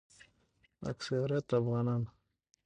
اکثریت افغانان